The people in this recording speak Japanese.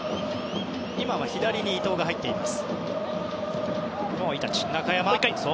今は左に伊東が入っています。